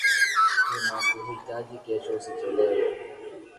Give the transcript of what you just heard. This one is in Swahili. Tunakuhitaji kesho, usichelewe.